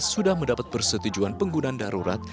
sudah mendapat persetujuan penggunaan darurat